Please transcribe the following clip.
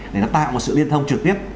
để nó tạo một sự liên thông trực tiếp